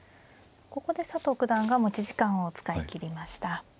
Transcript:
ここで佐藤九段が持ち時間を使い切りました。